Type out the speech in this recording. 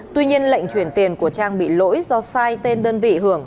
tuy nhiên lệnh chuyển tiền của trang bị lỗi do sai tên đơn vị hưởng